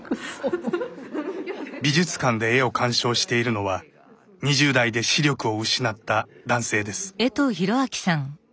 美術館で絵を鑑賞しているのは２０代で視力を失った男性です。